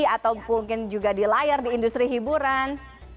atau mungkin juga di layar di industri hiburan